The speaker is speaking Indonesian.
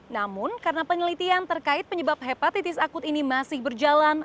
namun karena penelitian terkait penyebab hepatitis akut ini masih berjalan